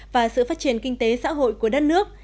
và sự phát triển kinh tế xã hội của đất nước